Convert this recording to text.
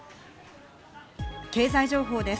経済情報です。